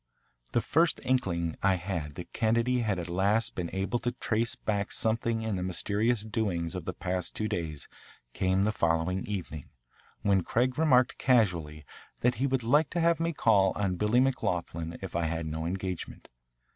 The first inkling I had that Kennedy had at last been able to trace back something in the mysterious doings of the past two days came the following evening, when Craig remarked casually that he would like to have me call on Billy McLoughlin if I had no engagement.